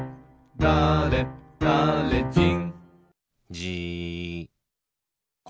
だれだれじん。